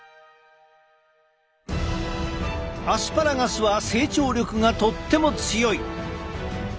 アスパラガスは成長力がとっても強い。